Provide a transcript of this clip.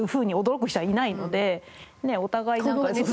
お互いなんかね。